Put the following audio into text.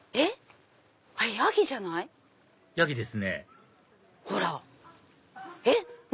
ヤギです。